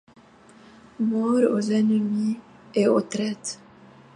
Mort aux ennemis et aux traîtres!